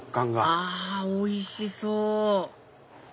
あおいしそう！